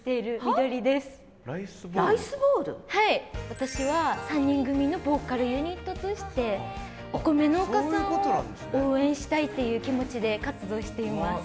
私は３人組のボーカルユニットとしてお米農家さんを応援したいっていう気持ちで活動しています。